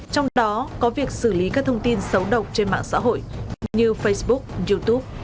trong đó có việc xử lý các thông tin xấu độc trên mạng xã hội như facebook youtube